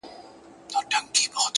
د زړه په كور كي دي بل كور جوړكړی’